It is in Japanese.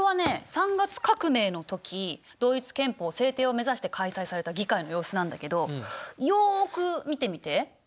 ３月革命の時ドイツ憲法制定を目指して開催された議会の様子なんだけどよく見てみて。